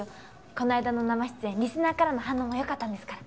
この間の生出演リスナーからの反応も良かったんですから。